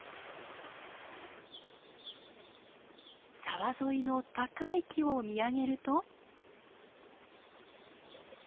沢沿いの高い木を見上げると。